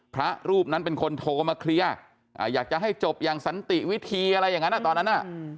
พระรูปนั้นเป็นคนโทรมาเคลียร์อยากจะให้จบอย่างสันติวิธีอะไรอย่างนั้นตอนนั้น